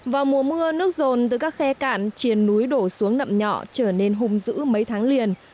vào mùa mưa nước rồn từ các khe cạn triển núi đổ xuống nậm nhọ trở nên hung dữ mấy tháng liền